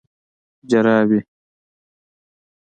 🧦جورابي